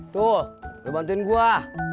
tuh lo bantuin gue